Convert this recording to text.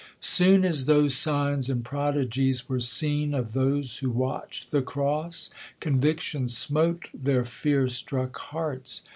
Soon as those sips and prodigies were seen Of those who watch'd the cross, conviction smote rheir fear struck hearts.